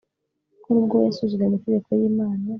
ko nubwo we yasuzuguye amategeko y'imana